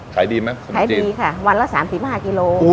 ขายดีค่ะวันละ๓๕กิโลกรัม